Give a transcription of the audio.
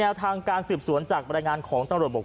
และการสึบสวนจากบรรยายโรคของจอดพูดว่า